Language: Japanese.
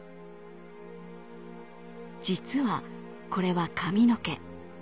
実はこれは髪の毛。